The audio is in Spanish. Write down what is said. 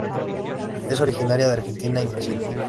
Es originaria de Argentina y Brasil.